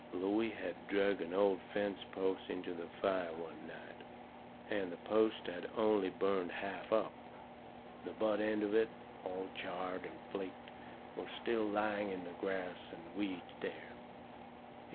Looey had drug an old fence post onto the fire one night, and the post had only burned half up. The butt end of it, all charred and flaked, was still laying in the grass and weeds there.